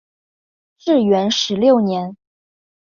至元十六年。